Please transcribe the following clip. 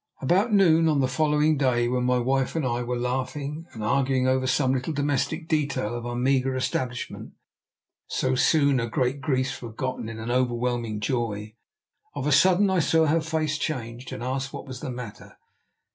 About noon on the following day, when my wife and I were laughing and arguing over some little domestic detail of our meagre establishment—so soon are great griefs forgotten in an overwhelming joy, of a sudden I saw her face change, and asked what was the matter.